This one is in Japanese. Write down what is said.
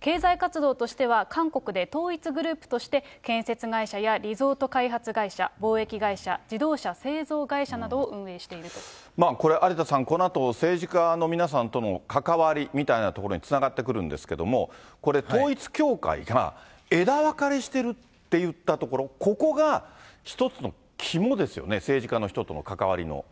経済活動としては韓国で統一グループとして、建設会社やリゾート開発会社、貿易会社、これ、有田さん、このあと政治家の皆さんとの関わりみたいなところにつながってくるんですけれども、これ、統一教会が枝分かれしてるって言ったところ、ここが一つの肝ですよね、政治家の人との関わりの。